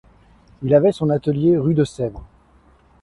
Il avait son atelier rue de Sèvres.